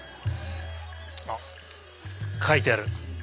あっ書いてある。